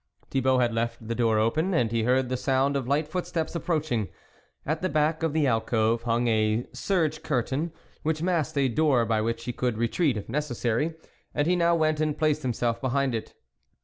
Thibault had left the door open, and he heard the sound of light footsteps approaching; at the back of the alcove hung a serge curtain, which masked a door by which he could retreat, if neces sary, and he now went and placed himself behind it.